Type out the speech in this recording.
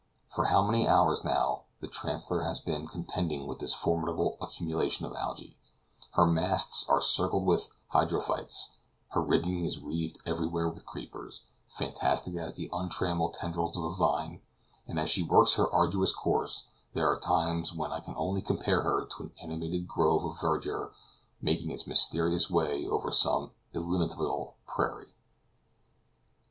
For many hours now, the Chancellor has been contending with this formidable accumulation of algae; her masts are circled with hydrophytes; her rigging is wreathed everywhere with creepers, fantastic as the untrammeled tendrils of a vine, and as she works her arduous course, there are times when I can only compare her to an animated grove of verdure making its mysterious way over some illimitable prairie.